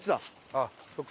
あっそっか。